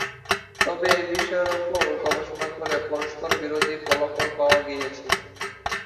তবে, এই বিষয়ের উপর গবেষণা করে পরস্পরবিরোধী ফলাফল পাওয়া গিয়েছে।